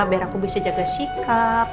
biar aku bisa jaga sikap